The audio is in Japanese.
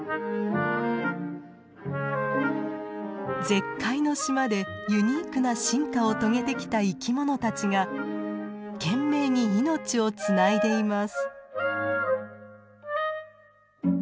絶海の島でユニークな進化を遂げてきた生き物たちが懸命に命をつないでいます。